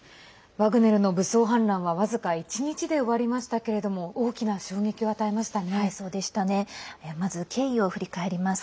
ワグネルの武装反乱は僅か１日で終わりましたけれどもまず経緯を振り返ります。